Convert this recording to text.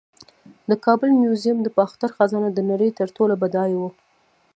د کابل میوزیم د باختر خزانه د نړۍ تر ټولو بډایه وه